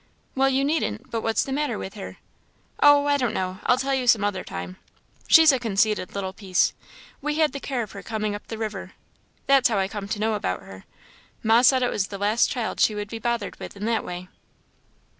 "Well, you needn't; but what's the matter with her?" "Oh, I don't know. I'll tell you some other time she's a conceited little piece. We had the care of her coming up the river that's how I come to know about her; Ma said it was the last child she would be bothered with in that way."